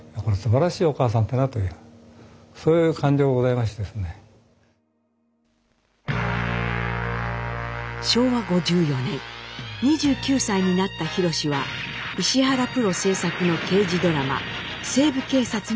まあこれ昭和５４年２９歳になったひろしは石原プロ制作の刑事ドラマ「西部警察」に出演。